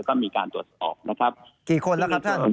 ก็มีการตรวจสอบนะครับ